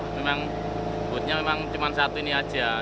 memang botnya memang cuma satu ini aja